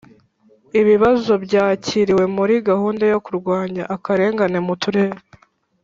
ibibazo byakiriwe muri gahunda yo kurwanya akarengane mu turere